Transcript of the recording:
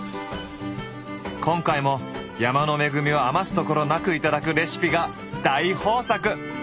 今回も山の恵みを余すところなく頂くレシピが大豊作！